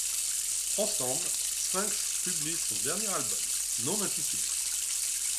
Ensemble, Sfinx publie son dernier album, non intitulé.